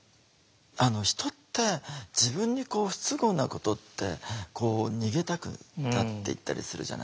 人って自分に不都合なことって逃げたくなっていったりするじゃないですか。